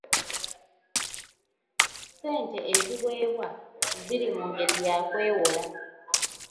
Ssente eziweebwa ziri mu ngeri ya kwewola.